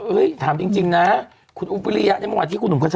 ถามจริงนะคุณอุ๊บวิริยะในเมื่อวานที่คุณหนุ่มเข้าใจ